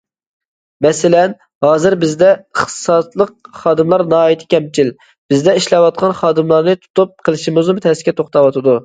مەسىلەن: ھازىر بىزدە ئىختىساسلىق خادىملار ناھايىتى كەمچىل، بىزدە ئىشلەۋاتقان خادىملارنى تۇتۇپ قېلىشىمىزمۇ تەسكە توختاۋاتىدۇ.